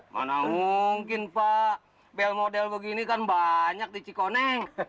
mana mungkin pak bel model begini kan banyak di cikoneng